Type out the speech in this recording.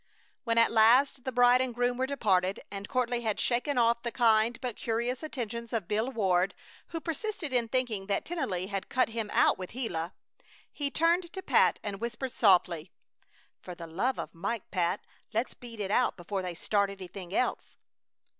When at last the bride and groom were departed, and Courtland had shaken off the kind but curious attentions of Bill Ward, who persisted in thinking that Tennelly had cut him out with Gila, he turned to Pat and whispered, softly: "For the love of Mike, Pat, let's beat it before they start anything else!"